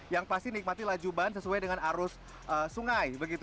yang pasti nikmati laju ban sesuai dengan arus sungai